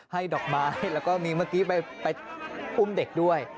ดอกไม้แล้วก็มีเมื่อกี้ไปอุ้มเด็กด้วย